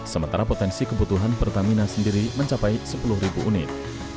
sementara potensi kebutuhan pertamina sendiri mencapai sepuluh ribu unit